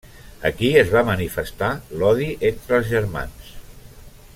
Aquí es va manifestar l'odi entre els germans.